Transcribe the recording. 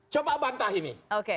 coba bantah ini